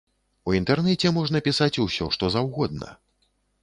У інтэрнэце можна пісаць усё што заўгодна.